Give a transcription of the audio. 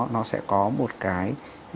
nó sẽ có một cái